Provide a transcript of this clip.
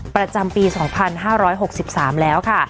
ประจำปี๒๕๖๓แล้วค่ะ